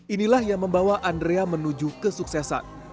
inilah yang membawa andrea menuju kesuksesan